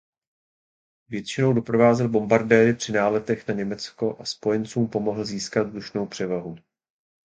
Většinou doprovázel bombardéry při náletech na Německo a spojencům pomohl získat vzdušnou převahu.